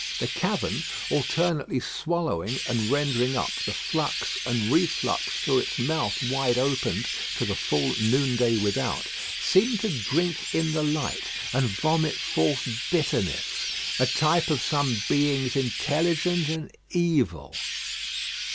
The cavern, alternately swallowing and rendering up the flux and reflux through its mouth wide opened to the full noonday without, seemed to drink in the light and vomit forth bitterness; a type of some beings intelligent and evil.